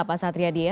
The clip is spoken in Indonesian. pak satri adi ya